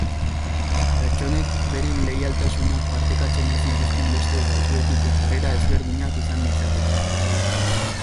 Pertsonek beren leialtasunak partekatzen ez dituzten beste batzuekiko jarrera ezberdinak izan ditzakete.